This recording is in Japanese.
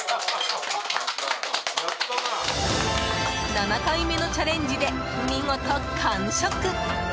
７回目のチャレンジで見事完食。